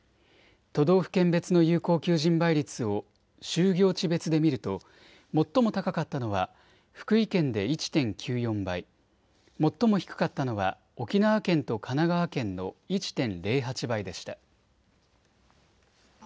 都道府県別の有効求人倍率を就業地別で見ると最も高かったのは福井県で１．９４倍、最も低かったのは沖縄県と神奈川県の１．０８倍でした。